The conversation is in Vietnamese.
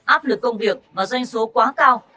áp lực công việc và doanh số quá cao